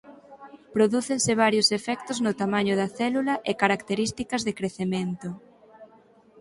Prodúcense varios efectos no tamaño da célula e características de crecemento.